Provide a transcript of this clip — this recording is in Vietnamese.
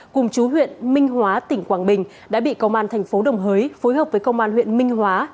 cùng chú huyện minh hóa tỉnh quảng bình đã bị công an thành phố đồng hới phối hợp với công an huyện minh hóa